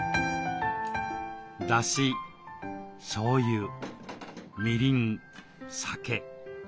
だししょうゆみりん酒。